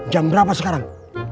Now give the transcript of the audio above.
jam berapa sekarang